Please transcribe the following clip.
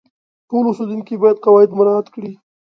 ټول اوسیدونکي باید قواعد مراعات کړي.